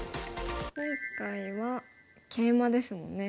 今回はケイマですもんね。